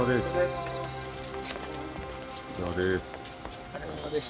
お疲れさまです。